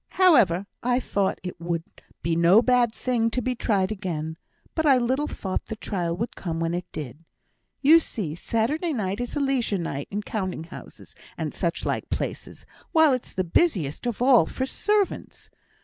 However, I thought it would be no bad thing to be tried again; but I little thought the trial would come when it did. You see, Saturday night is a leisure night in counting houses and such like places, while it's the busiest of all for servants.